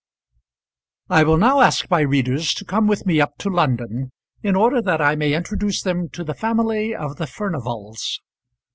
I will now ask my readers to come with me up to London, in order that I may introduce them to the family of the Furnivals.